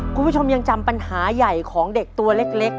คุณผู้ชมยังจำปัญหาใหญ่ของเด็กตัวเล็ก